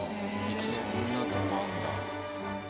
そんなとこあるんだ。